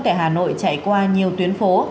tại hà nội chạy qua nhiều tuyến phố